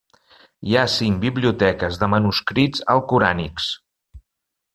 Hi ha cinc biblioteques de manuscrits alcorànics.